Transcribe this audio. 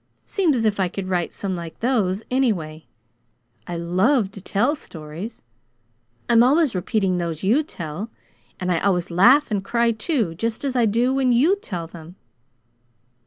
Seems as if I could write some like those, anyway. I LOVE to tell stories. I'm always repeating those you tell, and I always laugh and cry, too, just as I do when YOU tell them."